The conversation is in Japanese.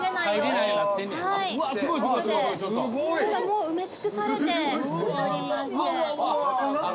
もう埋め尽くされておりまして。